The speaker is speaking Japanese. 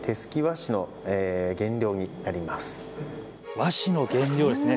和紙の原料ですね。